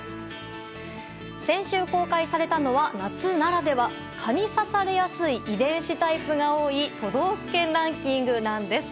先週公開されたのは、夏ならでは蚊に刺されやすい遺伝子タイプが多い都道府県ランキングなんです。